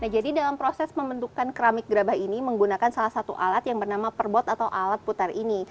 jadi dalam proses pembentukan keramik gerabah ini menggunakan salah satu alat yang bernama perbot atau alat putar ini